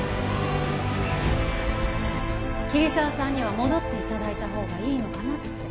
桐沢さんには戻って頂いたほうがいいのかなって。